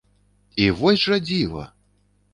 І вось жа дзіва!